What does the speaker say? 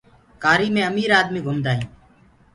ڪآري مي امير آدمي گُمدآ هينٚ۔